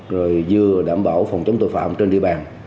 rồi vừa đảm bảo phòng chống tội phạm trên địa bàn